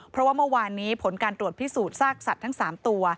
เพราะว่าเมื่อวานนี้ผลการตรวจพิสูจน์ซากสัตว์ทั้ง๓ตัว